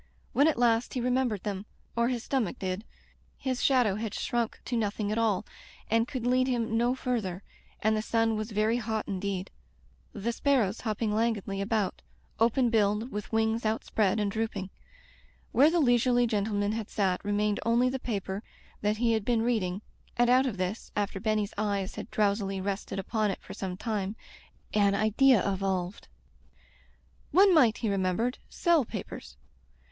When at last he re membered them — or his stomach did — ^his shadow had shrunk to nothing at all, and could lead him no further, and the sun was very hot indeed — the sparrows hopping lan guidly about, open billed, with wings out spread and drooping. Where the leisurely gentleman had sat remained only the paper that he had been reading, and out of this, after Benny's eyes had drowsily rested upon it for some time, an idea evolved. One might, he remembered, sell papers.